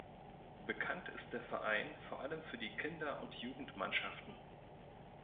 Bekannt ist der Verein vor allem für die Kinder- und Jugend-Mannschaften.